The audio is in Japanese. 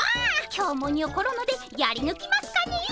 今日もにょころのでやりぬきますかねえ。